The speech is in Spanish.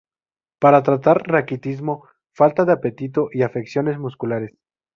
Para tratar raquitismo, falta de apetito y afecciones musculares.